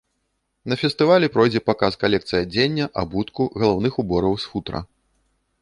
На фестывалі пройдзе паказ калекцый адзення, абутку, галаўных убораў з футра.